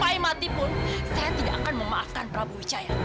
jika kamu mati pun saya tidak akan memaafkan prabowo wicaya